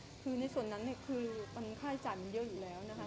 คือในส่วนนั้นเนี่ยคือค่าใช้จ่ายมันเยอะอยู่แล้วนะคะ